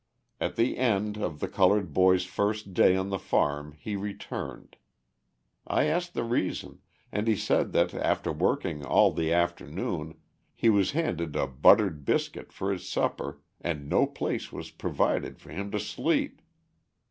At the end of the coloured boy's first day on the farm he returned. I asked the reason, and he said that after working all the afternoon he was handed a buttered biscuit for his supper, and no place was provided for him to sleep.